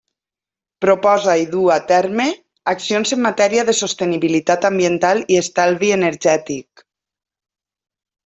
Proposa i duu a terme accions en matèria de sostenibilitat ambiental i estalvi energètic.